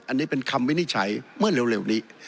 อันนี้เป็นคำวินิจฉัยเมื่อเร็วนี้